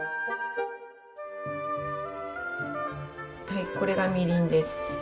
はいこれがみりんです。